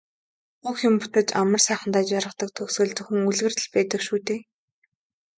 Бүх юм бүтэж амар сайхандаа жаргадаг төгсгөл зөвхөн үлгэрт л байдаг шүү дээ.